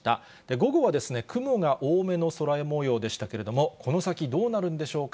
午後は雲が多めの空もようでしたけれども、この先どうなるんでしょうか。